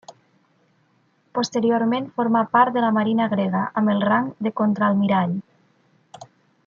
Posteriorment formà part de la Marina grega, amb el rang de contraalmirall.